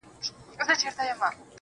ډېـــره شناخته مي په وجود كي ده.